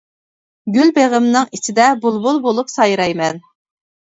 گۈل بېغىمنىڭ ئىچىدە، بۇلبۇل بولۇپ سايرايمەن.